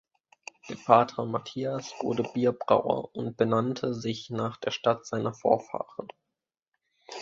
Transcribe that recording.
Der Vater Matthias wurde Bierbrauer und benannte sich nach der Stadt seiner Vorfahren.